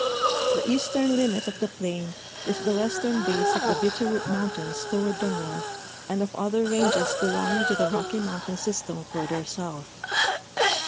The eastern limit of the plain is the western base of the Bitterroot mountains toward the north and of other ranges belonging to the Rocky mountain s}^stem further south.